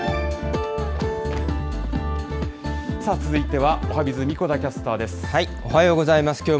続いてはおはＢｉｚ、おはようございます。